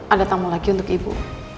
ada tamu lagi untuk ibu